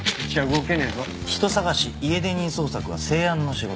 人捜し家出人捜索は生安の仕事です。